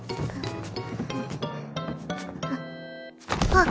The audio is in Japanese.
あっ。